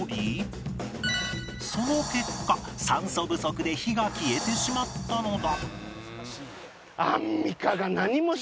その結果酸素不足で火が消えてしまったのだ